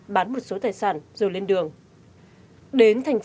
bán một số bộ ngành liên quan đến tổng hợp